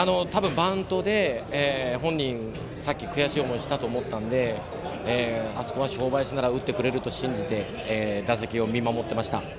多分、バントで本人、さっき悔しい思いをしたと思ったんであそこは正林なら打ってくれると信じて打席を見守っていました。